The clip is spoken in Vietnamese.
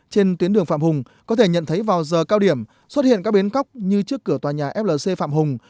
trên tuyến đường phạm hùng có thể nhận thấy vào giờ cao điểm xuất hiện các bến cóc như trước cửa tòa nhà flc phạm hùng